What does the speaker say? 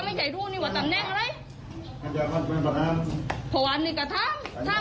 ไม่ค่ะมาทำแน่งนานเพอพันธุ์พิงแล้ว